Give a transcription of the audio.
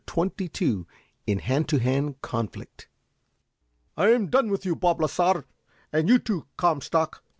CHAPTER XXII IN HAND TO HAND CONFLICT "I'm done with you, Bob Lasar! And you, too, Comstock!"